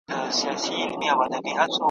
شپې مو په کلونو د رڼا په هیله ستړي کړې ,